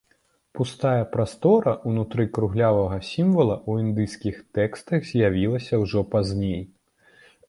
Пустая прастора ўнутры круглявага сімвала ў індыйскіх тэкстах з'явілася ўжо пазней.